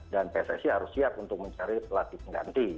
dan pssi harus siap untuk mencari pelatih yang ganti